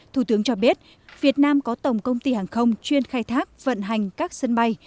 thủ tướng cho biết việt nam có tổng công ty hàng không chuyên khai thác vận hành các sân bay